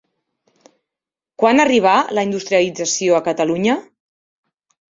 Quan arribà la industrialització a Catalunya?